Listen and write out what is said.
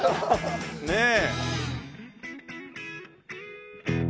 ねえ。